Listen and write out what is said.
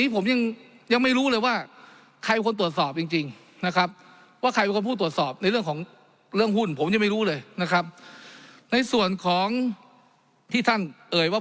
ผมยังไม่รู้เลยนะครับในส่วนของที่ท่านเอ่ยว่า